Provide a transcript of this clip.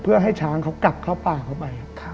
เพื่อให้ช้างเขากลับเข้าป่าเข้าไป